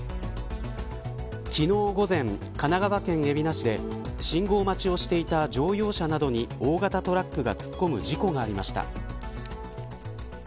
昨日午前、神奈川県海老名市で信号待ちをしていた乗用車などに大型トラックが突っ込む事故がありました。